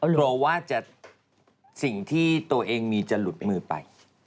กลัวว่าสิ่งที่ตัวเองมีจะหลุดมือไป